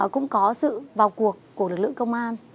cũng có sự vào cuộc của lực lượng công an